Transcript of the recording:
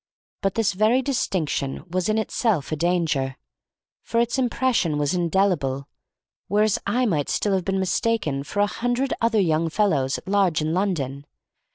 But this very distinction was in itself a danger, for its impression was indelible, whereas I might still have been mistaken for a hundred other young fellows at large in London.